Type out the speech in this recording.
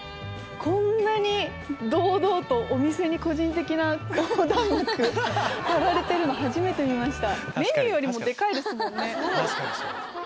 こんなに堂々とお店に個人的な横断幕張られてるの初めて見ました。